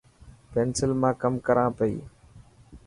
پينسل مان ڪم ڪران پئي.